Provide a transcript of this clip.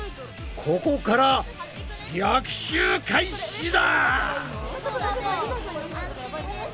ここから逆襲開始だ！